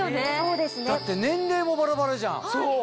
だって年齢もバラバラじゃん。